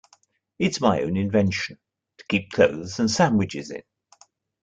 It’s my own invention—to keep clothes and sandwiches in.